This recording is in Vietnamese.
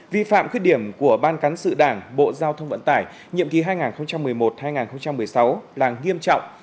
vi phạm khuyết điểm của ban cán sự đảng bộ giao thông vận tải nhiệm kỳ hai nghìn một mươi một hai nghìn một mươi sáu là nghiêm trọng